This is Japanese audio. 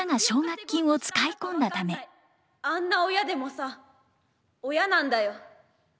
あんな親でもさ親なんだよ。